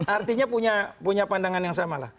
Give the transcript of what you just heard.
artinya punya pandangan yang sama lah